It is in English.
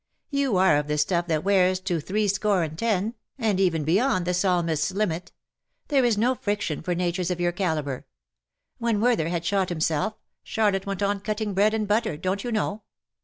You are of the stuff that wears to threescore and ten, and even 42 beyond the Psalmist's limit. There is no friction for natures of your calibre. When Werther had shot himself, Charlotte went on cutting bread and butter, donH you know